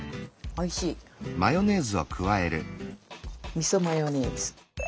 みそマヨネーズ。